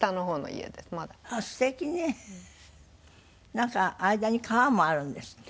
なんか間に川もあるんですって？